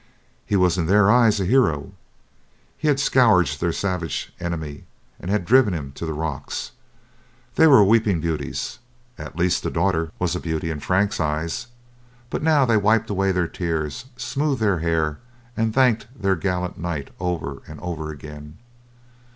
He was in their eyes a hero; he had scourged their savage enemy, and had driven him to the rocks. They were weeping beauties at least the daughter was a beauty in Frank's eyes but now they wiped away their tears, smoothed their hair, and thanked their gallant knight over and over again.